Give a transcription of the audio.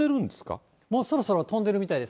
もうそろそろ飛んでるみたいです。